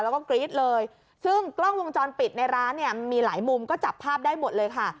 แล้วก็กรี๊ดเลยซึ่งกล้องวงจรปิดในร้านเนี่ยมีหลายมุมก็จับภาพได้หมดเลยค่ะ